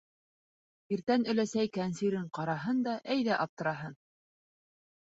Иртән өләсәй кәнсирен ҡараһын да әйҙә аптыраһын.